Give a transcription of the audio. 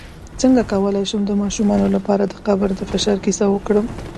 څنګه کولی شم د ماشومانو لپاره د قبر د فشار کیسه وکړم